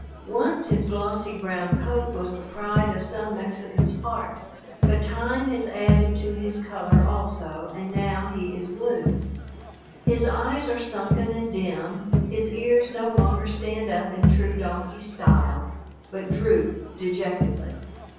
Once his glossy brown coat was the pride of some Mexican's heart, but time has added to his color also, and now he is blue. His eyes are sunken and dim, his ears no longer stand up in true donkey style, but droop dejectedly.